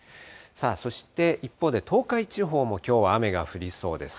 そして一方で、東海地方もきょうは雨が降りそうです。